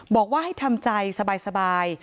บอกว่าให้ทำใจสบาย